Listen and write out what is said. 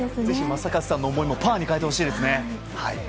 ぜひ正和さんの思いもパワーに変えてほしいですね。